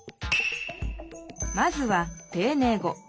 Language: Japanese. まずはていねい語。